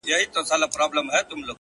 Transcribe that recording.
تر ښایست دي پر آواز باندي مین یم،